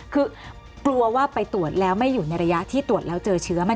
คือกลัวว่าไปตรวจแล้วไม่อยู่ในระยะที่ตรวจแล้วเจอเชื้อ